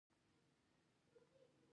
د خلکو همکاري مهمه ده